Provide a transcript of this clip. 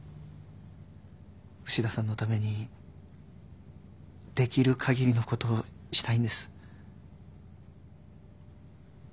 牛田さんのためにできる限りのことをしたいんです